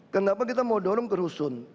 kenapa kita mau dorong ke rusun